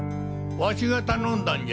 ワシが頼んだんじゃ。